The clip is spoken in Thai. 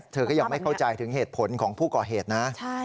เธอก็ยังไม่เข้าใจถึงเหตุผลของผู้ก่อเหตุนะ